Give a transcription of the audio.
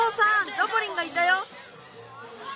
ダボリンがいたよ。